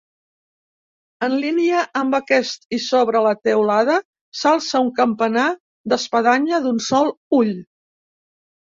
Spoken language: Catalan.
En línia amb aquest i sobre la teulada s'alça un campanar d'espadanya d'un sol ull.